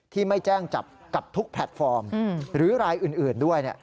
ที่ไม่แจ้งจับกับทุกแพลตฟอร์มหรือรายอื่นด้วย